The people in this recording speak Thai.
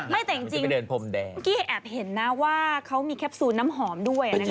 ไม่แต่จริงเมื่อกี้แอบเห็นนะว่าเขามีแคปซูลน้ำหอมด้วยนะคะ